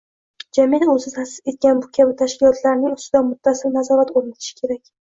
jamiyat o‘zi taʼsis etgan bu kabi tashkilotlarning ustidan muttasil nazorat o‘rnatishi kerak.